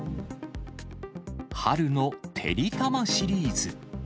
春のてりたまシリーズ。